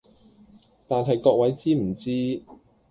但係各位知唔知